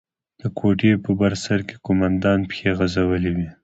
د کوټې په بر سر کښې قومندان پښې غځولې وې.